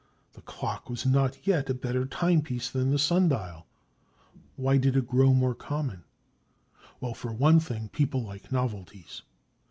The clock was not yet a better timepiece than the sun dial; why did it grow more common? Well, for one thing, people like novelties.